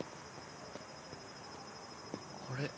あれ？